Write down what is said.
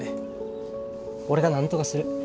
俺がなんとかする。